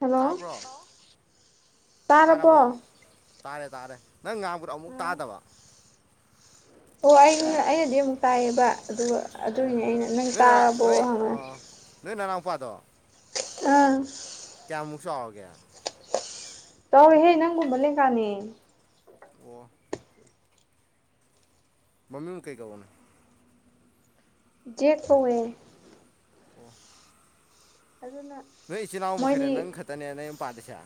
hello ꯇꯥꯕ꯭ꯔꯣ ꯇꯥꯔꯔꯕꯣ ꯇꯥꯔꯕꯣ ꯇꯥꯔꯦ ꯇꯥꯔꯦ ꯅꯪ ꯉꯥꯡꯕꯗꯣ ꯑꯃꯨꯛ ꯇꯥꯗꯕ ꯑꯣ ꯑ ꯑꯩꯅꯗꯤ ꯑꯃꯨꯛ ꯀꯥꯏꯌꯦꯕ ꯑꯗꯨꯒ ꯑꯣ ꯑꯗꯨꯒꯤꯅꯦ ꯑꯩꯅ ꯅꯪ ꯅꯣꯏ ꯇꯥꯔꯕꯣ ꯍꯪꯉꯦ ꯎꯄꯥꯗ ꯑꯥ ꯀꯌꯥꯃꯨꯁꯥ ꯑꯒ ꯇꯧꯍꯦ ꯅꯪꯒꯨꯝꯕ ꯂꯩꯀꯥꯅꯤ ꯑꯣ ꯃꯃꯤ ꯝ ꯀꯩꯀꯥꯕꯣꯅꯦ ꯦꯛ ꯀꯧꯋꯦ ꯑꯣ ꯑꯗꯨꯅ ꯅꯣꯏ ꯏꯆꯤꯜ ꯏꯅꯥꯎ ꯃꯈꯩꯗ ꯃꯣꯏꯗꯤ ꯅꯪ ꯈꯛꯇꯅꯦ ꯅꯪ ꯌꯨꯝ ꯄꯥꯂꯤꯁꯦ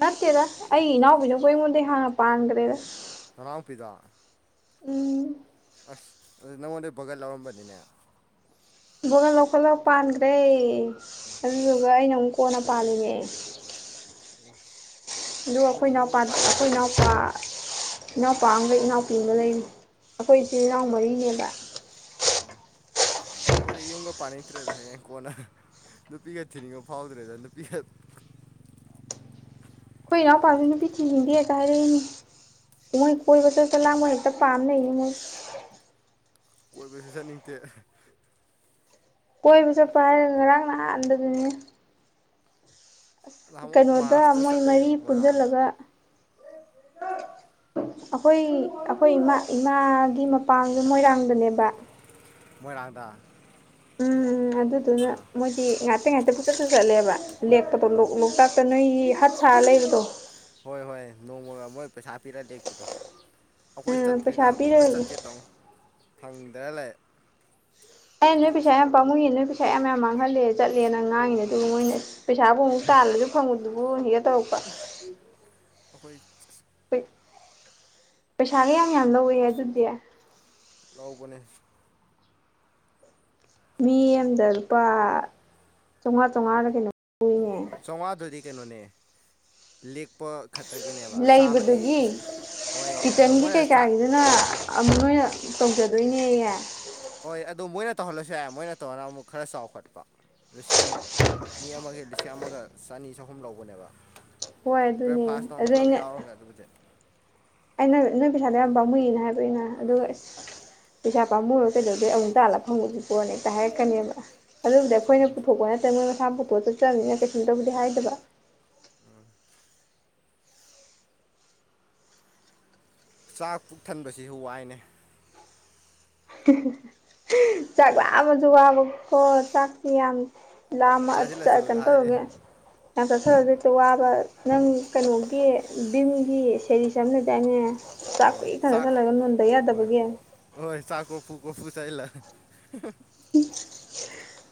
ꯅꯠꯇꯦꯗ ꯑꯩ ꯏꯅꯥꯎꯕꯤꯅ ꯀꯣꯏꯉꯣꯟꯗꯦ ꯍꯥꯡꯉ ꯄꯥꯡꯗ꯭ꯔꯦꯗ ꯅꯥꯄꯤꯤꯗ ꯎꯝ ꯑꯁ ꯑꯗꯨ ꯅꯉꯣꯟꯗꯩ ꯕꯣꯒꯜ ꯂꯧꯥꯎꯔꯝꯕꯅꯤꯅꯦ ꯕꯣꯀ ꯂꯧꯈꯠꯂ ꯄꯥꯟꯈ꯭ꯔꯦ ꯑꯗꯨꯗꯨꯒ ꯑꯩꯅ ꯪ ꯀꯣꯅ ꯄꯥꯜꯂꯤꯅꯦꯦ ꯎ ꯑꯗꯨꯒ ꯑꯩꯈꯣꯏ ꯏꯅꯥꯎꯄꯥ ꯑꯩꯈꯣꯏ ꯏꯅꯥꯎꯄꯥ ꯏꯅꯥꯎꯄꯥ ꯑꯃꯒ ꯏꯅꯥꯎꯄꯤ ꯑꯃꯒ ꯂꯩ ꯑꯩꯈꯣꯏ ꯏꯆꯤꯜ ꯏꯅꯥꯎ ꯃꯔꯤꯅꯦꯕ ꯎꯝ ꯑꯩꯈꯣꯏꯗꯤ ꯌꯨꯝꯒ ꯄꯥꯅꯤꯡꯇ꯭ꯔꯦꯗ ꯍꯌꯦꯡ ꯀꯣꯟꯅ ꯅꯨꯄꯤꯒ ꯊꯤꯅꯤꯡꯉꯣ ꯐꯥꯎꯗ꯭ꯔꯦꯗ ꯅꯨꯄꯤꯒ ꯀꯣꯏꯅ ꯄꯥꯃꯤꯅ ꯄꯤꯊꯤ ꯀꯗꯤ ꯑꯦ ꯀꯔꯦꯅꯤ ꯃꯣꯏ ꯀꯣꯏꯕꯁꯔ ꯆꯂꯥ ꯍꯦꯛꯇ ꯄꯝ ꯅ ꯃꯣꯏ ꯑꯣꯏꯕꯁꯨ ꯆꯠꯅꯤꯡꯗꯦ ꯀꯣꯏꯕ ꯆꯠꯄ ꯍꯥꯏꯔꯒ ꯉꯔꯥꯡ ꯅꯍꯥꯟꯗꯗꯨꯅꯦ ꯅꯍꯥꯟꯃꯨꯛ ꯀꯩꯅꯣꯗ ꯃꯥꯔꯁꯇ ꯃꯣꯏ ꯆꯠꯂꯨꯏ ꯃꯔꯤ ꯃꯣꯏꯔꯥꯡꯗ ꯄꯨꯟꯁꯤꯜꯂꯒ [inaudible] ꯑꯩꯈꯣꯏ ꯑꯩꯈꯣꯏ ꯏꯃꯥ ꯏꯃꯥꯒꯤ ꯃꯄꯥꯡꯗꯣ ꯃꯣꯏꯔꯥꯡꯗꯅꯦꯕ ꯃꯣꯏꯔꯥꯡꯗ ꯎꯝ ꯎꯝ ꯑꯗꯨꯗꯨꯅ ꯑꯥ ꯃꯣꯏꯗꯤ ꯉꯥꯛꯇ ꯉꯥꯛꯇ ꯄꯨꯆꯠꯁꯨ ꯆꯠꯂꯦꯕ ꯂꯦꯛꯄꯗꯣ ꯂꯣꯛꯇꯥꯛꯇ ꯅꯣꯏꯒꯤ ꯍꯠ ꯁꯥꯔ ꯂꯩꯕꯗꯣ ꯍꯣꯏ ꯍꯣꯏ ꯅꯣꯡꯃ ꯃꯣꯏ ꯄꯩꯁꯥ ꯄꯤꯔꯒ ꯂꯦꯛꯄꯤꯗꯣ ꯑꯩꯈꯣꯏ ꯎꯝ ꯄꯩꯁꯥ ꯆꯠꯇ꯭ꯔꯤꯗ ꯄꯤꯔ ꯑꯃꯨꯛꯇ ꯆꯠꯀꯦ ꯇꯧ ꯐꯪꯗꯔ ꯂꯩ ꯑꯩꯅ ꯅꯣꯏ ꯄꯩꯁꯥ ꯌꯥꯝ ꯄꯥꯃꯨꯏ ꯅꯣꯏ ꯄꯩꯁꯥ ꯌꯥꯝ ꯃꯥꯡꯍꯂꯦ ꯆꯠꯂꯦꯅ ꯉꯥꯡꯉꯤꯅꯦ ꯑꯗꯨꯒ ꯃꯣꯏꯅ ꯄꯩꯁꯥꯕꯨ ꯑꯃꯨꯛ ꯇꯥꯜꯂꯁꯨ ꯐꯪꯉꯗꯕꯨ ꯌꯦ ꯇꯎꯄ ꯑꯩꯈꯣꯏ ꯄꯩꯁꯥꯜꯂꯤ ꯌꯥꯃꯤ ꯌꯥꯗꯦ ꯌꯥ ꯑꯗꯨꯗꯨꯗꯤꯌꯥ ꯍꯧꯕꯅꯤ ꯃꯤ ꯑꯃꯗ ꯂꯨꯄꯥ ꯆꯥꯝꯃꯉꯥ ꯆꯥꯝꯃꯉꯥꯗ ꯀꯩꯅꯣ ꯂꯧꯋꯤꯅꯦ ꯆꯥꯝꯃꯉꯥꯗꯨꯗꯤ ꯀꯩꯅꯣꯅꯦ ꯂꯦꯛꯄ ꯈꯛꯇꯒꯤꯅꯦꯕ ꯆꯥꯕꯗꯤ ꯂꯩꯕꯗꯨꯒꯤ ꯏꯁꯥ ꯍꯣꯏ ꯑꯗꯣ ꯀꯤꯆꯟꯒꯤ ꯃꯣꯏꯅ ꯆꯥꯛ ꯀꯩꯀꯥꯒꯤꯗꯨꯅ ꯅꯣꯏꯅ ꯑꯣ ꯇꯧꯖ ꯂꯣꯏꯅꯦꯦ ꯍꯣꯏ ꯑꯗꯨ ꯃꯣꯏꯅ ꯇꯧꯍꯜꯂꯁꯨ ꯌꯥꯏ ꯃꯣꯏꯅ ꯇꯧꯔꯅ ꯑꯃꯨꯛ ꯈꯔ ꯆꯥꯎꯈꯠꯄ ꯂꯤꯁꯤꯡ ꯃꯤ ꯑꯃꯒꯤ ꯂꯤꯁꯤꯡ ꯑꯃꯒ ꯆꯅꯤ ꯆꯍꯨꯝ ꯂꯧꯕꯅꯦꯕ ꯍꯣꯏ ꯑꯗꯨꯅꯦ ꯕ꯭ꯔꯦꯛꯐꯥꯁꯇ ꯑꯃꯨꯛ ꯑꯗꯨ ꯄꯨꯂꯞ ꯑꯩꯅ ꯌꯥꯎꯔꯒ ꯑꯗꯨꯕꯨꯗꯤ ꯑꯩꯅ ꯅꯣꯏ ꯄꯩꯁꯥꯗꯣ ꯌꯥꯝ ꯄꯥꯎꯃꯨꯏꯅ ꯍꯥꯏꯕꯩꯅ ꯑꯗꯨꯒꯁ ꯄꯩꯁꯥ ꯄꯥꯝꯃꯨꯔꯣ ꯀꯩꯗꯧꯗꯩ ꯑꯃꯨꯛ ꯇꯥꯜꯂ ꯐꯪꯕꯒꯤꯄꯣꯅ ꯍꯦꯛꯇ ꯍꯥꯏꯔꯛꯀꯅꯦꯕ ꯑꯗꯨꯕꯨꯗꯤ ꯑꯩꯈꯣꯏꯅ ꯄꯨꯊꯣꯛꯄ ꯅꯠꯇ꯭ꯔꯦ ꯃꯣꯏ ꯃꯁꯥ ꯄꯨꯊꯣꯛꯑ ꯆꯠꯇ꯭ꯔꯕꯅꯤꯅ ꯀꯩꯁꯨꯝ ꯇꯧꯕꯨꯗꯤ ꯍꯥꯏꯗꯕ ꯆꯥꯛ ꯄꯨꯛ ꯊꯟꯕꯁꯤꯁꯨ ꯋꯥꯏꯅꯦ ꯆꯥꯛ ꯂꯥꯕꯁꯨ ꯋꯥꯕ ꯈꯣ ꯆꯥꯛꯁꯤ ꯌꯥꯝ ꯂꯥꯝꯃ ꯆꯠ ꯆꯥꯁꯤꯜꯂꯁꯨ ꯀꯩꯅꯣ ꯍꯥꯏꯗꯤ ꯇꯧꯔꯒꯦ ꯌꯥꯝ ꯆꯠꯊꯔꯗꯗ ꯋꯥꯕ ꯅꯪ ꯀꯩꯅꯣꯒꯤ ꯚꯝꯒꯤ ꯁꯦꯔꯤꯁ ꯑꯃ ꯂꯩꯗ ꯑꯅꯦ ꯍꯣꯏ ꯆꯥꯛꯀꯨ ꯈꯟꯗ ꯆꯥꯛ ꯁꯜꯂꯒ ꯂꯨꯗ ꯌꯥꯗꯕꯒꯤ ꯄꯐꯨ ꯆꯥꯏꯂ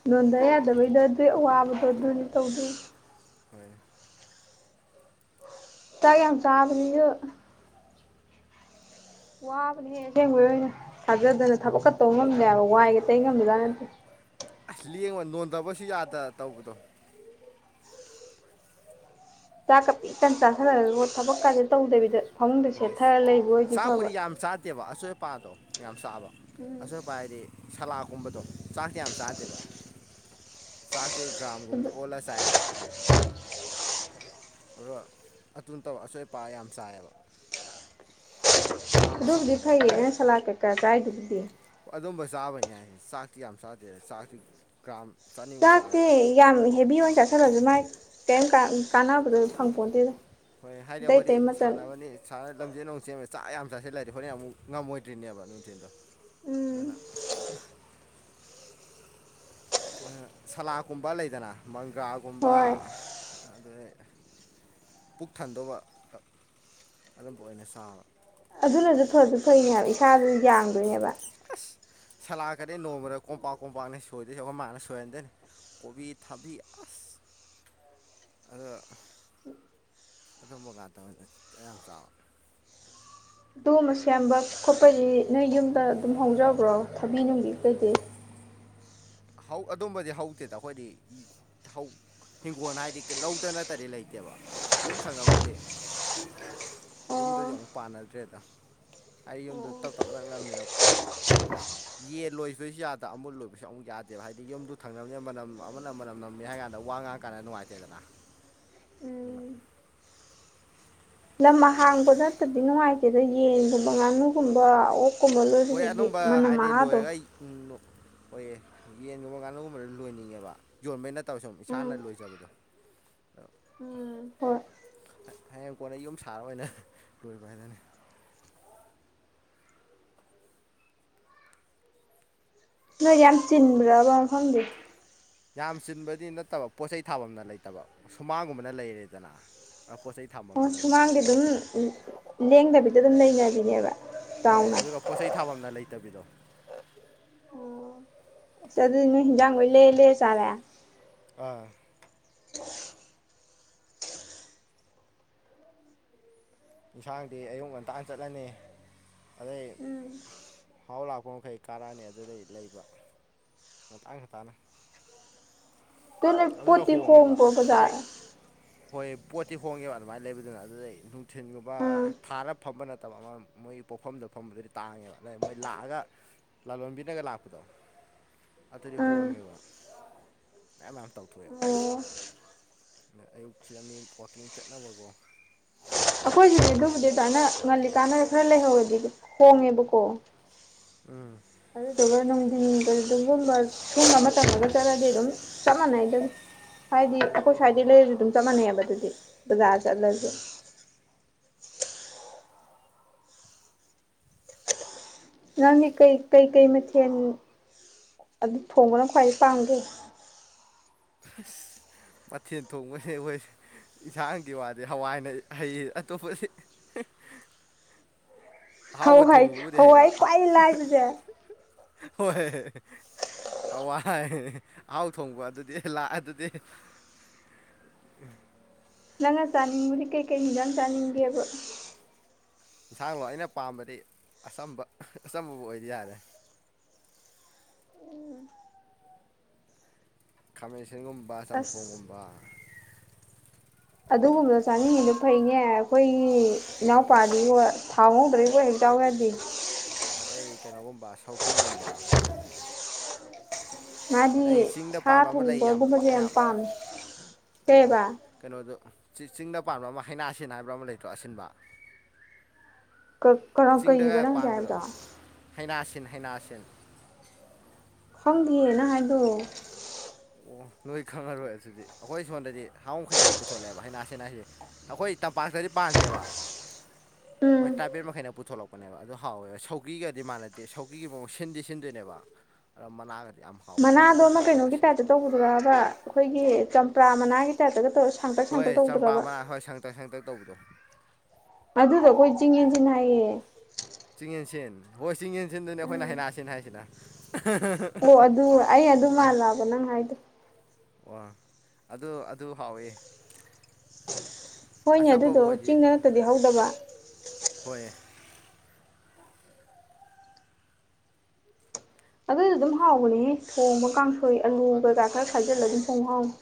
ꯅꯣꯟꯗ ꯌꯥꯗꯕꯩꯗ ꯑꯗꯨꯏ ꯑꯋꯥꯕꯗꯣ ꯑꯗꯨꯅ ꯇꯧꯗꯣꯏ ꯍꯣꯏ ꯇꯥꯏ ꯌꯥꯝ ꯆꯥꯕꯁꯨ ꯋꯥꯕꯅ ꯍꯦꯛ ꯑꯁꯦꯡꯕ ꯑꯣꯏꯅ ꯊꯥꯖꯗꯅ ꯊꯕꯛꯀ ꯇꯧ ꯉꯝꯅꯦꯕ ꯋꯥꯏꯒꯤꯗ ꯊꯦꯡꯉꯝꯕꯗꯥ ꯍꯣꯏ ꯑꯁ ꯂꯦꯡꯕ ꯅꯣꯟꯗꯕꯁꯨ ꯌꯥꯗ ꯇꯧꯕꯗꯣ ꯆꯥꯛ ꯇꯟ ꯆꯥ ꯁꯂꯒ ꯊꯕꯛ ꯀꯥꯏꯗꯅ ꯇꯧꯗꯕꯤꯗ ꯃꯃꯨꯡꯗ ꯍꯣꯏ ꯁꯦꯠꯊꯔꯒ ꯂꯩꯕ ꯑꯣꯏꯗꯤ ꯐꯕ ꯅꯨꯄꯥꯗꯣ ꯌꯥꯝ ꯆꯥꯕ ꯎꯝ ꯑꯁꯣꯏꯄ ꯍꯥꯏꯗꯤ ꯁꯂꯥꯀꯨꯝꯕꯗꯣ ꯆꯥꯛꯇ ꯌꯥꯝ ꯆꯥꯗ ꯠꯇꯦꯕ ꯆꯥꯛꯇꯤ ꯒ꯭ꯔꯥꯝꯒꯨꯝꯗ ꯑꯣꯜꯂ ꯆꯥꯏꯑꯕ ꯑꯗꯨꯒ ꯑꯗꯨ ꯅꯠꯇꯕ ꯑꯁꯣꯏ ꯑꯄꯥ ꯌꯥꯝ ꯆꯥꯏꯌꯦꯕ ꯑꯗꯨꯕꯨꯗꯤ ꯑꯗꯨ ꯐꯩꯌꯦꯟ ꯆꯂꯥ ꯀꯦꯀ ꯀꯥꯏꯗꯨꯕꯨꯗꯤ ꯑꯗꯨꯝꯕ ꯆꯥꯕꯅꯤ ꯍꯥꯏꯁꯦ ꯆꯥꯛꯇꯤ ꯌꯥꯝ ꯆꯥꯗꯦ ꯆꯥꯛꯇꯤ ꯒ꯭ꯔꯥꯝ ꯆꯅꯤꯃꯨꯛ ꯆꯥ ꯆꯥꯛꯇꯤ ꯌꯥꯝ ꯍꯦꯚ ꯑꯣꯏꯅ ꯆꯥꯁꯤꯜꯂꯁꯨ ꯃꯥꯏ ꯀꯔꯤꯝꯇ ꯍꯣꯏ ꯍꯥꯏꯗꯤ ꯑꯇꯩ ꯑꯩꯈꯣꯏꯗꯤ ꯑꯇꯩ ꯃꯆꯜ ꯁꯥꯟꯅꯕꯅꯤ ꯂꯝꯖꯦꯜ ꯅꯨꯡ ꯆꯦꯟ ꯆꯥꯛ ꯌꯥꯝ ꯆꯥꯁꯤꯦ ꯂꯩꯔꯗꯤ ꯍꯣꯔꯦꯟ ꯑꯃꯨꯛ ꯉꯝꯃꯣꯏꯗ꯭ꯔꯤꯅꯦꯕ ꯅꯨꯡꯊꯤꯟꯗꯣ ꯎꯝ ꯃ ꯁꯂꯥꯗꯀꯨꯝꯕ ꯂꯩꯗꯅ ꯃꯪꯒ꯭ꯔꯥꯒꯨꯝꯕ ꯍꯣꯏ ꯑꯗꯩ ꯄꯨꯛ ꯊꯟꯗꯧꯕ ꯑꯗꯨꯝꯕ ꯑꯣꯏꯅ ꯁꯥꯕ ꯑꯗꯨꯅꯁꯨ ꯐꯁꯨ ꯐꯩꯅꯦ ꯍꯥꯏꯕ ꯏꯁꯥꯗ ꯌꯥꯡꯗꯣꯏꯅꯦꯕ ꯁꯂꯥꯛꯀꯔꯗꯤ ꯅꯣꯡꯃꯗ ꯀꯣꯝꯄꯥꯛ ꯀꯣꯝꯄꯥꯛꯅ ꯁꯣꯏꯗꯣꯏꯁ ꯑꯩꯈꯣꯏ ꯃꯥꯅ ꯁꯣꯏꯍꯟꯗꯣꯏꯅꯤ ꯀꯕꯤ ꯊꯥꯕꯤ ꯑꯁ [inaudible] ꯑꯗꯨꯊꯝ ꯉ ꯇ ꯌꯥꯝ ꯆꯥꯎ ꯑꯗꯨ ꯑꯃ ꯁꯦꯝꯕ ꯈꯣꯠꯄꯁꯤ ꯅꯣꯏ ꯌꯨꯝꯗ ꯑꯗꯨꯝ ꯍꯧꯖꯕ꯭ꯔꯣ ꯊꯕꯤ ꯅꯨꯡꯕꯤ ꯀꯩꯗꯤꯩ ꯑꯗꯨꯝꯕꯗꯤ ꯍꯧꯗꯦꯗ ꯑꯩꯈꯣꯏꯗꯤ ꯍꯤꯡꯈꯣꯜ ꯍꯥꯏꯗꯤ ꯂꯧꯗ ꯅꯠꯇꯗꯤ ꯂꯩꯇꯦꯕ ꯌꯨꯝ ꯊꯪꯅꯕꯗꯤ ꯑꯣ ꯌꯨꯝꯗꯁꯨ ꯑꯃꯨꯛ ꯄꯥꯟꯅꯗ꯭ꯔꯦꯗ ꯑꯩ ꯌꯨꯝꯗ ꯇꯞ ꯇꯞ ꯅꯛꯅꯕꯅꯤꯅ ꯌꯦꯟ ꯂꯣꯏꯕꯁꯨ ꯌꯥꯗꯕ ꯑꯃꯨ ꯂꯣꯏꯕꯁꯨ ꯑꯃꯨꯛ ꯌꯥꯗ ꯦꯕ ꯍꯥꯏꯗꯤ ꯌꯨꯝꯗꯨ ꯊꯪꯅꯕꯅꯦꯅ ꯃꯅꯝ ꯑꯃꯅ ꯃꯅꯝ ꯅꯝꯅꯤ ꯍꯥꯏ ꯀꯥꯟꯗ ꯋꯥ ꯉꯥꯡ ꯀꯥꯟꯗ ꯅꯨꯡꯉꯥꯏꯇꯦꯗꯅ ꯍ ꯂꯝꯍꯥꯡꯕꯗ ꯍꯇꯗꯤ ꯅꯨꯡꯉꯥꯏꯇꯦ ꯑꯗꯣ ꯌꯦꯟꯒꯨꯝꯕ ꯉꯥꯅꯨꯒꯨꯝꯕ ꯑꯣꯛ ꯀꯨꯝꯕ ꯍꯣꯏ ꯂꯣꯏꯔꯁꯤꯗꯤ ꯃꯅꯝ ꯃꯥꯥꯗꯣ ꯍꯣꯏꯌꯦ ꯌꯦꯟꯒꯨꯝꯕ ꯀꯥꯅꯨꯒꯨꯝꯕꯗ ꯂꯣꯏꯅꯤꯡꯉꯦꯕ ꯌꯣꯟꯕꯩ ꯅꯠꯇꯕ ꯁꯨꯝ ꯎꯝ ꯏꯁꯥꯅ ꯂꯣꯏꯖꯕꯗꯣ ꯑꯗꯣ ꯎꯝ ꯍꯌꯦꯡ ꯀꯣꯟꯅ ꯌꯨꯝ ꯁꯥꯔ ꯑꯣꯏꯅ ꯂꯣꯏꯕ ꯍꯥꯏꯗꯅꯤ ꯅꯣꯏ ꯌꯥꯝ ꯆꯤꯟꯕ꯭ꯔꯕ ꯐꯕꯤ ꯌꯥꯝ ꯆꯤꯟꯕꯗꯤ ꯅꯠꯇꯕ ꯄꯣꯠ ꯆꯩꯩ ꯊꯥꯐꯝꯅ ꯂꯩꯇꯕ ꯁꯨꯃꯥꯡꯒꯨꯝꯕꯅ ꯂꯩꯔꯦꯗꯅ ꯄꯣꯠ ꯆꯩ ꯑꯣ ꯊꯥꯐꯝꯅ ꯁꯨꯃꯥꯡꯗꯤ ꯂꯩꯇꯕꯤꯗꯣ ꯑꯗꯨꯝ ꯂꯦꯡꯗꯕꯤꯗ ꯑꯗꯨꯝ ꯂꯩꯅꯔꯤꯅꯦꯕ ꯍꯣꯏ ꯑꯗꯨꯒ ꯄꯣꯠꯆꯩ ꯊꯥꯐꯝꯅ ꯂꯩꯇꯕꯤꯗꯣ ꯑꯗꯨꯅ ꯍꯖꯥꯡꯒ ꯂꯩ ꯂꯩꯦ ꯆꯥꯔꯦ ꯑꯥ ꯏꯟꯁꯥꯡꯗꯤ ꯑꯌꯨꯛ ꯉꯟꯇꯥ ꯆꯠꯂꯅꯤ ꯑꯗꯩ ꯎꯝ ꯍꯥꯎ ꯂꯥꯛꯄ ꯃꯈꯩ ꯀꯥꯔꯛ ꯑꯅꯤ ꯑꯗꯨꯗꯩ ꯂꯩꯕ ꯉꯟꯇꯥ ꯉꯟꯇꯥꯅ ꯑꯗꯣ ꯅꯣꯏ ꯑꯗꯨꯅ ꯄꯣꯠꯇꯤ ꯍꯣꯡꯉꯦꯕ ꯍꯣꯡꯕ꯭ꯔꯣ ꯑꯗꯩ ꯕꯥꯖꯔ ꯍꯣꯏ ꯄꯣꯠꯇꯤ ꯍꯣꯡꯉꯦꯕ ꯑꯗꯨꯃꯥꯏꯅ ꯂꯩꯕꯗꯨꯅ ꯑꯗꯨꯗꯩ ꯅꯨꯡꯊꯤꯟꯒꯨꯝꯕ ꯎꯝ ꯊꯥꯔ ꯐꯝꯕ ꯅꯠꯇꯕ ꯑꯃ ꯃꯣꯏ ꯄꯣꯠꯐꯝꯗ ꯐꯝꯕꯗꯨꯗꯤ ꯇꯥꯡꯉꯦꯕ ꯑꯗꯩ ꯃꯣꯏ ꯂꯥꯛꯑꯒ ꯂꯥꯂꯣꯟꯕꯤꯅꯒ ꯂꯥꯛꯄꯗꯣ ꯑꯗꯨꯗꯤ ꯎꯝ ꯍꯣꯡꯉꯦꯕ ꯃꯌꯥꯝ ꯃꯌꯥꯝ ꯇꯧꯊꯣꯛꯑꯦꯕ ꯑꯣ ꯑꯗꯨꯅ ꯑꯌꯨꯛꯁꯦ ꯃꯤ ꯋꯥꯛꯀꯤꯡ ꯆꯠꯅꯕꯀꯣ ꯑꯩꯈꯣꯏꯁꯤꯗꯤ ꯑꯗꯨꯃꯥꯏꯅ ꯉꯜꯂꯤꯀꯥꯟꯗ ꯈꯔ ꯂꯩꯍꯧꯔꯗꯤ ꯍꯣꯡꯉꯦꯕꯀꯣ ꯎꯝ ꯑꯗꯨꯗꯨꯒ ꯅꯨꯡꯗꯤꯟ ꯗꯥꯒꯨꯝꯕ ꯁꯨꯒꯨꯝꯕ ꯃꯇꯝꯗꯒ ꯆꯠꯂꯗꯤ ꯑꯗꯨꯝ ꯆꯞ ꯃꯥꯟꯅꯩꯗ ꯑꯗꯨꯝ ꯍꯥꯏꯗꯤ ꯑꯩꯈꯣꯏ ꯁ꯭ꯋꯥꯏꯗꯤ ꯂꯩꯔꯁꯨ ꯑꯗꯨꯝ ꯆꯞ ꯃꯥꯟꯅꯩꯕ ꯑꯗꯨꯗꯤ ꯕꯖꯥꯔ ꯆꯠꯂꯁꯨ ꯅꯪꯗꯤ ꯀꯩ ꯀꯩ ꯀꯩ ꯃꯊꯦꯜ ꯑꯗꯨ ꯊꯣꯡꯕꯅ ꯈ꯭ꯋꯥꯏꯗꯩ ꯄꯥꯝꯒꯦ ꯑꯁ ꯃꯊꯦꯜ ꯊꯣꯡꯕꯁꯦ ꯑꯩꯈꯣꯏ ꯏꯟꯁꯥꯡꯒꯤ ꯋꯥꯗꯤ ꯍꯋꯥꯏꯅ ꯍꯩꯌꯦ ꯑꯇꯣꯞꯄꯗꯤ ꯍꯣꯏ ꯑꯍꯥꯎꯕ ꯍꯣꯏ ꯊꯣꯡꯕꯕꯨꯗꯤ ꯍꯩꯕ ꯍꯋꯥꯏꯏ ꯈ꯭ꯋꯥꯏꯗꯒꯤ ꯂꯥꯏꯕꯁꯦ ꯍꯣꯏ ꯍꯋꯥꯏ ꯑꯍꯥꯎ ꯊꯣꯡꯕ ꯑꯗꯨꯗꯤ ꯂꯥꯛ ꯑꯗꯨꯗꯤ ꯎꯝ [unintelligible] ꯅꯪꯅ ꯆꯥꯅꯤꯡꯕꯗꯤ ꯀꯩꯀꯩ ꯏꯟꯁꯥꯡ ꯆꯥꯅꯤꯡꯒꯦꯕ ꯏꯟꯁꯥꯡꯂꯣ ꯑꯩꯅ ꯄꯥꯝꯕꯗꯤ ꯑꯆꯝꯕ ꯑꯆꯝꯕꯥꯕꯨ ꯑꯣꯏꯔꯗꯤ ꯌꯥꯔꯦ [unintelligible] [inaudible] ꯈꯥꯃꯦꯟꯁꯤꯟꯒꯨꯝꯕ ꯑꯁ ꯆꯝꯊꯣꯡꯒꯨꯝꯕ ꯑꯗꯨꯒꯨꯝꯕꯗꯣ ꯆꯥꯅꯤꯡꯉꯤꯗꯣ ꯐꯩꯅꯦ ꯑꯩꯈꯣꯏꯒꯤ ꯏꯅꯥꯎꯄꯥꯗꯤꯕꯣ ꯊꯥꯎ ꯉꯧꯗ꯭ꯔꯗꯤ ꯆꯥꯎ ꯌꯥꯗꯦ ꯑꯇꯩ ꯀꯩꯅꯣꯒꯨꯝꯕ ꯁꯧꯒ꯭ꯔꯤꯒꯨꯝꯕ ꯃꯥꯗꯤ ꯑꯗꯩ ꯆꯤꯡꯗ ꯁꯥ ꯄꯥꯟꯕ ꯑꯃ ꯂꯩ ꯊꯣꯡꯕꯒꯨꯝꯕꯁꯦ ꯌꯥꯝ ꯄꯥꯝꯃꯦ ꯑꯣ ꯀꯩꯑꯕꯥ ꯀꯩꯅꯣꯗꯣ ꯆꯤꯡꯗ ꯄꯥꯟꯕ ꯑꯃ ꯍꯩꯅꯥ ꯁꯤꯟ ꯍꯥꯏꯕ꯭ꯔꯥ ꯑꯃ ꯂꯩꯇ꯭ꯔꯣ ꯑꯁꯤꯟꯕ ꯀ ꯀꯔꯥ ꯀꯩꯕ ꯆꯤꯡꯗꯒ ꯅꯪ ꯍꯧꯖꯤꯛ ꯄꯥꯟꯕꯗꯣ ꯍꯥꯏꯕꯗꯣ ꯍꯩꯅꯥꯁꯤꯟ ꯍꯩꯅꯥꯁꯤꯟ ꯈꯪꯗꯤꯌꯦ ꯅꯪ ꯍꯥꯏꯗꯣ ꯑꯣ ꯅꯣꯏ ꯈꯪꯉꯥꯔꯣꯏ ꯑꯗꯨꯗꯤ ꯑꯩꯈꯣꯏ ꯁꯣꯝꯗꯥꯗꯤ ꯍꯥꯎ ꯃꯈꯩꯅ ꯌꯥꯝ ꯄꯨꯊꯣꯛꯂꯛꯑꯦꯕ ꯍꯩꯅꯥꯁꯤꯟ ꯍꯥꯏꯁꯦ ꯑꯩꯈꯣꯏ ꯇꯝ ꯄꯥꯥꯛꯇꯗꯤ ꯄꯥꯥꯟꯗꯦꯕ ꯎꯝ ꯃꯣꯏ ꯇꯥꯏꯕꯦꯜ ꯃꯈꯩꯅ ꯄꯨꯊꯣꯛꯂꯛꯄꯅꯦꯕ ꯑꯗꯨ ꯍꯥꯎꯋꯦꯕ ꯁꯧꯒ꯭ꯔꯤꯒꯗꯤ ꯃꯥꯟꯅꯗꯦ ꯁꯧꯒ꯭ꯔꯤꯒꯤ ꯃꯑꯣꯡ ꯁꯤꯟꯗꯤ ꯁꯤꯟꯗꯣꯏꯅꯦꯕ ꯑꯗꯣ ꯃꯅꯥꯒ ꯃꯅꯥꯗꯣ ꯑꯃ ꯀꯩꯅꯣꯒꯤ ꯇꯥꯏꯞꯇ ꯇꯧꯕꯗꯨꯔꯥꯕ ꯑꯩꯈꯣꯏꯒꯤ ꯆꯝꯄ꯭ꯔꯥ ꯃꯅꯥꯒꯤ ꯇꯥꯏꯞꯇꯒ ꯇꯧꯕ ꯍꯣꯏ ꯆꯝꯄ꯭ꯔꯥ ꯃꯅꯥ ꯍꯣꯏ ꯁꯥꯡꯇꯛ ꯁꯥꯡꯇꯛ ꯇꯧꯕꯗꯣ ꯑꯗꯨꯗꯣ ꯑꯩꯈꯣꯏ ꯆꯤꯡ ꯌꯦꯟꯁꯤꯟ ꯍꯥꯏꯌꯦ ꯆꯤꯡꯌꯦꯟꯁꯦꯟ ꯍꯣꯏ ꯆꯤꯡ ꯌꯦꯟꯁꯤꯟꯗꯨꯅꯦ ꯑꯩꯈꯣꯏꯅ ꯎꯝ ꯍꯩꯅꯥꯁꯤꯟ ꯍꯥꯏꯁꯤꯅ ꯑꯣ ꯑꯗꯨ ꯑꯩ ꯑꯗꯨ ꯃꯥꯜꯂꯛꯑꯕ ꯅꯪ ꯍꯥꯏꯗꯣ ꯑꯣ ꯑꯗꯨ ꯑꯗꯨ ꯍꯥꯎꯋꯦ ꯍꯣꯏꯅꯦ ꯑꯗꯨꯗꯣ ꯆꯤꯡꯗ ꯅꯠꯇ꯭ꯔꯗꯤ ꯍꯧꯗꯕ ꯍꯣꯏ ꯑꯗꯨꯁꯨ ꯑꯗꯨꯝ ꯍꯥꯎꯕꯅꯦꯍꯦ ꯊꯣꯡꯕ ꯀꯥꯡꯁꯣꯏ ꯍꯥꯎ ꯑꯂꯨ ꯀꯩꯀꯥ ꯑꯗꯨꯅ ꯈꯔ ꯍꯥꯎꯋꯦ ꯈꯥꯏꯖꯤꯜꯂꯒ ꯑꯗꯨꯝ ꯊꯣꯡꯕ ꯍꯥꯎꯕꯅꯦ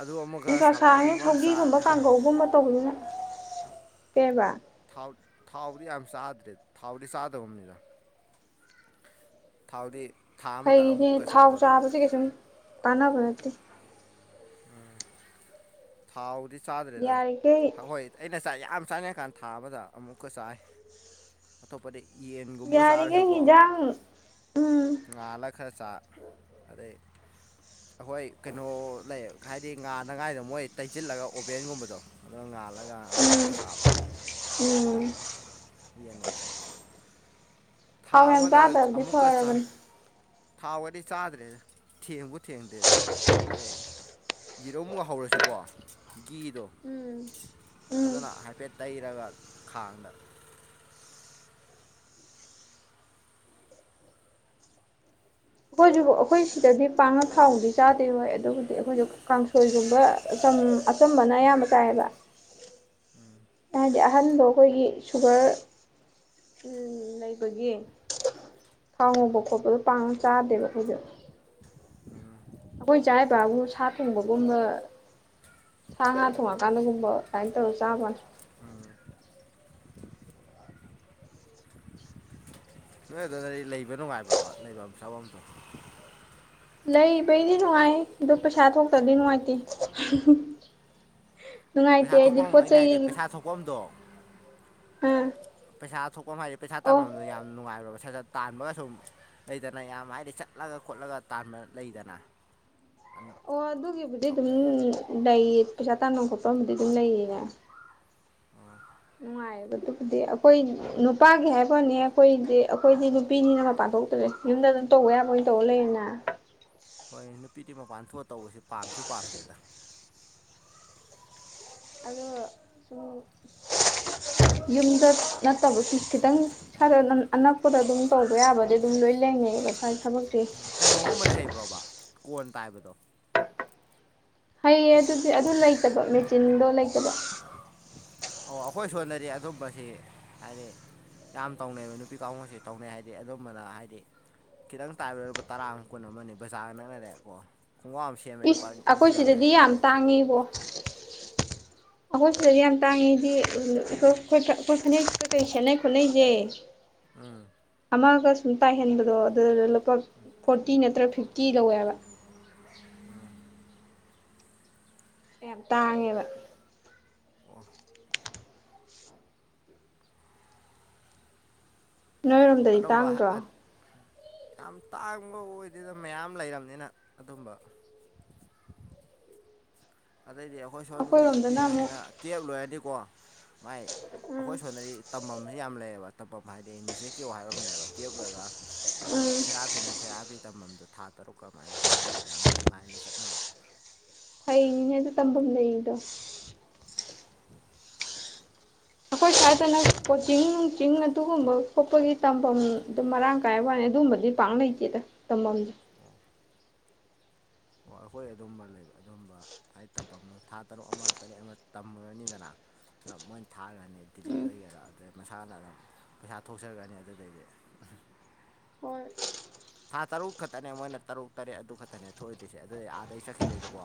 ꯑꯗꯨ ꯑꯃꯒ ꯅꯨꯡꯁꯥ ꯁꯥꯔꯃꯤꯅ ꯁꯂꯥꯒꯨꯝꯕ ꯑꯃ ꯁꯧꯒ꯭ꯔꯤꯒꯨꯝꯕ ꯆꯥꯔꯗꯤ ꯍꯥꯎꯔꯦ ꯀꯥꯡꯍꯧꯒꯨꯝꯕ ꯇꯧꯕꯁꯤꯅ ꯀꯩꯕ ꯊꯥꯎ ꯊꯥꯎꯗꯤ ꯌꯥꯝ ꯆꯥꯗ꯭ꯔꯦ ꯊꯥꯎꯗꯤ ꯆꯥꯗ꯭ꯔꯒꯨꯝꯕꯅꯤꯗ ꯊꯥꯎꯗꯤ ꯊꯥ ꯑꯃꯗ ꯐꯩꯅꯦ ꯑꯃꯨꯛꯀ ꯊꯥꯎ ꯆꯥꯗꯣꯏꯔꯥ ꯆꯥꯕꯁꯦ ꯀꯩꯁꯨꯝ ꯀꯥꯟꯅꯕ ꯅꯠꯇꯦ ꯎꯝ ꯊꯥꯎꯗꯤ ꯆꯥꯗ꯭ꯔꯦꯗ ꯌꯥꯔꯤꯈꯩ ꯍꯣꯏ ꯑꯩꯅ ꯆꯥꯛ ꯌꯥꯝ ꯆꯥꯅ ꯀꯥꯟ ꯊꯥꯕꯗ ꯑꯃꯨꯛꯀ ꯆꯥꯏ ꯑꯇꯣꯞꯄꯗꯤ ꯌꯦꯟꯒꯨꯝꯕ ꯌꯥꯔꯤꯈꯩ ꯆꯥꯔꯁꯨꯀꯣ ꯍꯤꯟꯖꯥꯡ ꯎꯝ ꯉꯥꯜꯂ ꯈꯔ ꯆꯥ ꯑꯗꯩ ꯑꯩꯈꯣꯏ ꯀꯩꯅꯣ ꯂꯩ ꯍꯥꯏꯗꯤ ꯉꯥꯅꯉꯥꯏꯗ ꯃꯣꯏ ꯇꯩꯆꯤꯜꯂꯒ ꯑꯣꯚꯦꯟꯒꯨꯝꯕꯗꯣ ꯑꯗꯨ ꯉꯥꯜꯂꯒ ꯑꯗꯨꯝꯕ ꯎꯝ ꯆꯥꯕ ꯎꯝ ꯌꯦ ꯅꯨꯡꯉꯥꯏꯖ ꯊꯥꯎ ꯌꯥꯝ ꯆꯥꯗꯕꯗꯤ ꯐꯔꯕꯅꯦ ꯊꯥꯎ ꯋꯥꯔꯤꯗꯤ ꯆꯥꯗ꯭ꯔꯦꯗ ꯊꯦꯡꯕꯨ ꯊꯦꯡꯗꯦꯗ ꯑꯗꯩ ꯌꯦꯔꯧ ꯑꯃꯨꯛ ꯍꯧꯔꯁꯨꯀꯣꯘꯤꯗꯣ ꯎꯝ ꯎꯝ ꯑꯗꯨꯅ ꯍꯥꯏꯐꯦꯠ ꯇꯩꯔꯒ ꯈꯥꯡꯗ ꯑꯩꯈꯣꯏꯁꯨ ꯑꯩꯈꯣꯏ ꯁꯤꯗꯗꯤ ꯄꯥꯡꯉ ꯊꯥꯎꯗꯤ ꯆꯥꯗꯦ ꯍꯣꯏ ꯑꯗꯨꯕꯨꯗꯤ ꯑꯩꯈꯣꯏꯁꯨ ꯀꯥꯡꯁꯣꯏꯒꯨꯝꯕ ꯎꯝ ꯑꯆꯨꯝꯕꯅ ꯑꯌꯥꯝꯕ ꯀꯥꯏꯌꯦꯕ [unintelligible] ꯍꯥꯏꯗꯤ ꯑꯍꯟꯗꯣ ꯑꯩꯈꯣꯏꯒꯤ ꯁꯨꯒꯔ ꯂꯩꯕꯒꯤ ꯈꯥꯎ ꯉꯧꯕ ꯈꯣꯠꯄꯗꯣ ꯄꯥꯡꯝ ꯆꯥꯗꯦꯕ ꯑꯩꯈꯣꯏꯁꯨ ꯑꯩꯈꯣꯏ ꯆꯥꯏꯕꯕꯨ ꯁꯥ ꯊꯣꯡꯕꯒꯨꯝꯅ ꯁꯥ ꯉꯥ ꯊꯣꯡꯉꯀꯥꯟꯗꯒꯨꯝꯕ ꯑꯗꯨꯃꯥꯏꯅ ꯇꯧꯔ ꯆꯥꯕꯅꯦ ꯅꯣꯏ ꯑꯗꯨꯅꯗꯤ ꯂꯩꯕ ꯅꯨꯡꯉꯥꯏꯕ꯭ꯔꯣꯕ ꯂꯩꯐꯝ ꯆꯥꯐꯝꯗꯣ ꯂꯩ ꯄꯩꯅꯤ ꯅꯅꯨꯡꯉꯥꯏ ꯑꯗꯨꯗꯨ ꯄ꯭ꯔꯁꯥꯗ ꯊꯣꯛꯣꯡꯇꯗꯤ ꯅꯨꯅꯨꯡꯉꯥꯏꯇ ꯄꯩꯁꯥ ꯊꯣꯛꯄ ꯑꯃ ꯑꯩꯅ ꯍꯥꯏꯗꯤ ꯆꯩ ꯄꯩꯁꯥ ꯊꯣꯛꯄ ꯑꯝꯗꯣ ꯑꯥ ꯄꯩꯁꯥ ꯊꯣꯛꯄ ꯍꯥꯏꯁꯦ ꯄꯩꯁꯥ ꯑꯣ ꯇꯝꯐꯝꯗ ꯌꯥꯝ ꯅꯨꯡꯉꯥꯏꯣꯕ ꯄꯩ ꯇꯥꯟꯕꯒ ꯁꯨꯝ ꯂꯩꯗꯅ ꯌꯥꯝ ꯍꯥꯏꯗꯤ ꯆꯠꯂꯒ ꯈꯣꯠꯂꯒ ꯇꯥꯟꯕ ꯂꯩꯗꯅ ꯑꯗꯨ ꯑꯣ ꯑꯗꯨꯒꯤꯕꯨꯗꯤ ꯑꯗꯨꯝ ꯂꯩꯌꯦ ꯄꯩꯁꯥ ꯇꯥꯐꯝ ꯈꯣꯠꯄꯕꯨꯗꯤ ꯑꯗꯨꯝ ꯂꯩꯌꯦꯅꯦ ꯑ ꯅꯨꯡꯉꯥꯏꯕꯗꯨꯕꯨꯗꯤ ꯑꯩꯈꯣꯏ ꯅꯨꯄꯥꯒꯤ ꯍꯥꯏꯕꯅꯦ ꯑꯩꯈꯣꯏꯗꯤ ꯑꯩꯈꯣꯏꯗꯤ ꯅꯨꯄꯤꯅꯤꯅ ꯃꯄꯥꯟ ꯧꯗ꯭ꯔꯦ ꯌꯨꯝꯗ ꯑꯗꯨꯝ ꯇꯧꯕ ꯌꯥꯕ ꯑꯣꯏꯅ ꯇꯧꯕ ꯂꯩꯌꯦꯅ ꯍꯣꯏ ꯅꯨꯄꯤꯗꯤ ꯃꯄꯥꯟ ꯊꯣꯛꯑ ꯇꯧꯕꯁꯦ ꯄꯥꯝꯁꯨ ꯄꯥꯝꯖꯦꯗ ꯑꯗꯣ ꯁꯨꯝ ꯌꯨꯝꯗ ꯅꯠꯇꯕꯁꯨ ꯈꯤꯇꯪ ꯈꯔ ꯑꯅꯛꯄꯗ ꯑꯗꯨꯝ ꯇꯧꯕ ꯌꯥꯕꯗꯤ ꯑꯗꯨꯝ ꯂꯣꯏ ꯂꯩꯅꯩꯕ ꯈꯔ ꯊꯕꯛ [unintelligible] ꯀꯩꯅꯣꯒꯨꯝꯕꯗꯤ ꯍꯩꯕ꯭ꯔꯣꯕ ꯀꯣꯟ ꯇꯥꯏꯕꯗꯣ ꯍꯩꯌꯦ ꯑꯗꯨꯗꯤ ꯑꯗꯨ ꯂꯩꯇꯕ ꯃꯦꯆꯤꯟꯗꯣ ꯂꯩꯇꯕ ꯑꯣ ꯑꯩꯈꯣꯏ ꯁꯣꯟꯅꯔꯤ ꯑꯗꯨꯝꯕꯁꯤ ꯍꯥꯏꯗꯤ ꯌꯥꯝ ꯇꯧꯅꯩꯑꯕ ꯅꯨꯄꯤ ꯀꯥꯡꯕꯨꯁ ꯇꯧꯅꯩ ꯍꯥꯏꯗꯤ ꯑꯗꯨꯝꯕꯅ ꯍꯥꯏꯗꯤ ꯈꯤꯇꯪ ꯇꯥꯏꯕ ꯂꯩ ꯂꯨꯄꯥ ꯇꯔꯥꯃ ꯀꯨꯟ ꯑꯃꯅꯤ ꯕꯖꯥꯔꯒ ꯅꯛꯅꯔꯦꯑꯦꯀꯣ ꯏꯁ ꯑꯩꯈꯣꯏ ꯁꯤꯗꯗꯤ ꯌꯥꯝ ꯇꯥꯡꯉꯦꯕꯣ ꯑꯩꯈꯣꯏ ꯁꯤꯗꯗꯤ ꯌꯥꯝ ꯇꯥꯡꯉꯤꯗꯤ ꯑꯩꯈꯣꯏ ꯐꯅꯦꯛꯁꯤ ꯀꯩ ꯁꯦꯠꯅꯩ ꯈꯣꯠꯅꯩꯁꯦ ꯎꯝ ꯑꯃꯥꯀꯁ ꯁꯨꯝ ꯇꯥꯏꯍꯟꯕꯗꯣ ꯑꯗꯨꯗꯨꯗ ꯂꯨꯄꯥ ꯐꯣꯔꯇꯤ ꯅꯠꯇ꯭ꯔꯒ ꯐꯤꯐꯇꯤ ꯂꯧꯋꯦꯕ ꯑ ꯇꯥꯉꯦꯕ ꯋꯥ ꯅꯣꯏꯔꯣꯝꯗꯗꯤ ꯑꯗꯨꯝꯕ ꯇꯥꯡꯗ꯭ꯔꯣ ꯌꯥꯝ ꯇꯥꯡꯕ ꯑꯣꯏꯗꯅ ꯃꯌꯥꯝ ꯂꯩꯔꯕꯅꯤꯅ ꯑꯗꯨꯝꯕ ꯑꯗꯩꯗꯤ ꯑꯩꯈꯣꯏ ꯁꯣꯝ ꯅꯨꯄꯤ ꯑꯩꯈꯣꯏꯔꯣꯝꯗꯅ ꯑꯃꯨꯛ ꯃꯈꯩꯁꯤꯅ ꯀꯦꯞ ꯂꯣꯏꯔꯅꯤꯀꯣ ꯃꯥꯏ ꯎꯝ ꯑꯩꯈꯣꯏ ꯁꯣꯏꯗꯗꯤ ꯇꯝꯐꯝꯁꯨ ꯌꯥꯝ ꯂꯩꯌꯦꯕ ꯇꯞꯐꯝ ꯍꯥꯏꯗꯤ ꯅꯤꯖꯦ ꯀ꯭ꯌꯣ ꯍꯥꯏꯕ ꯑꯃꯅꯦꯕ ꯇꯦꯞ ꯂꯣꯏꯔꯒ ꯃꯥꯥꯏ ꯎꯝ ꯊꯦꯔꯥꯄꯤꯅ ꯊꯦꯔꯥꯄꯤ ꯇꯝꯐꯝꯗꯨ ꯊꯥ ꯇꯔꯨꯛ ꯀ ꯑꯗꯨꯃꯥꯏꯅ ꯑꯗꯨꯝꯕ ꯌꯥꯝ ꯂꯥꯏꯟꯗ ꯆꯠꯅꯕ ꯂꯩꯗꯤ ꯇꯝꯕꯝ ꯂꯩꯗ ꯑꯩꯈꯣꯏ ꯁ꯭ꯋꯥꯏꯗꯅ ꯀꯣꯆꯤꯡ ꯅꯨꯡ ꯆꯤꯡ ꯑꯗꯨꯒꯨꯝꯕ ꯈꯣꯠꯄꯒꯤ ꯇꯝꯐꯝ ꯑꯗꯨ ꯃꯔꯥꯡ ꯀꯥꯏ ꯋꯥꯅꯤ ꯑꯗꯨꯝꯕꯗꯤ ꯄꯥꯛ ꯂꯩꯇꯦꯗ ꯇꯝꯐꯝꯝꯗ ꯍ ꯑꯩꯈꯣꯏ ꯑꯗꯨꯝꯕ ꯂꯩꯕ ꯑꯗꯨꯝꯕ ꯊꯥꯏ ꯇꯝꯐꯝꯗꯣ ꯊꯥ ꯇꯔꯨꯛ ꯑꯃ ꯇꯔꯦꯠ ꯑꯃ ꯇꯝꯃꯨꯔꯅꯤꯗꯅ ꯃꯣꯏꯅ ꯊꯥꯈꯅꯤ ꯗꯗꯤꯜꯂꯤꯗ ꯑꯣꯏꯒꯦꯔꯥ ꯑꯗꯨꯗꯩ ꯃꯁꯥꯅ ꯑꯗꯨꯝ ꯄꯩꯁꯥ ꯊꯣꯛꯆꯈ꯭ꯔꯅꯤ ꯑꯗꯨꯗꯩꯗꯤ ꯎ ꯍ ꯊꯥ ꯇꯔꯨꯛ ꯈꯛꯇꯅꯦ ꯃꯣꯏꯅ ꯇꯔꯨꯛ ꯇꯔꯦꯠ ꯑꯗꯨ ꯈꯛꯇꯅꯦ ꯊꯣꯛꯏꯗꯣꯏꯁꯦ ꯑꯗꯨꯩ ꯑꯥꯗꯩ ꯆꯠꯈꯤꯗꯣꯏꯅꯤꯀꯣ